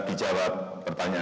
presiden republik indonesia